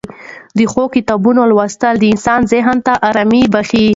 د ښو کتابونو لوستل د انسان ذهن ته ډېره ارامي بښي.